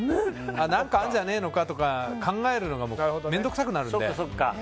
何かあんじゃねえのか考えるのが面倒くさくなるので。